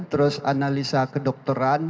terus analisa kedokteran